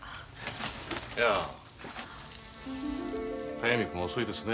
速水君遅いですね。